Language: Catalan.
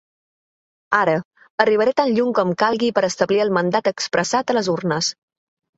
Ara: arribaré tan lluny com calgui per establir el mandat expressat a les urnes.